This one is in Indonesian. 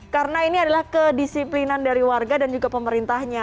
karena ini adalah kedisiplinan dari warga dan juga pemerintahnya